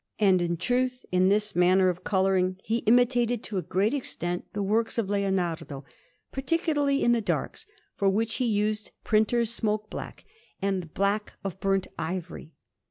And in truth, in this manner of colouring, he imitated to a great extent the works of Leonardo; particularly in the darks, for which he used printer's smoke black and the black of burnt ivory.